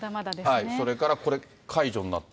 それからこれ、解除になって。